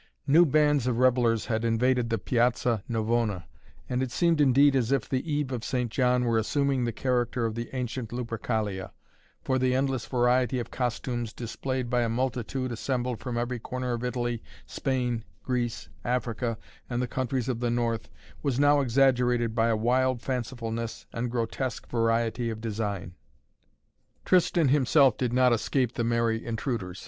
New bands of revellers had invaded the Piazza Navona, and it seemed indeed as if the Eve of St. John were assuming the character of the ancient Lupercalia, for the endless variety of costumes displayed by a multitude assembled from every corner of Italy, Spain, Greece, Africa, and the countries of the North, was now exaggerated by a wild fancifulness and grotesque variety of design. Tristan himself did not escape the merry intruders.